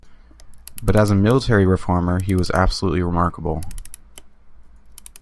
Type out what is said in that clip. But as a military reformer, he was absolutely remarkable.